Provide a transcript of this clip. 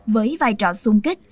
với vai trò sung kích